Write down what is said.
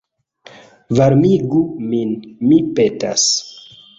Varmigu min, mi petas.